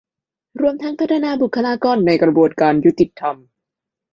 รวมทั้งพัฒนาบุคลากรในกระบวนการยุติธรรม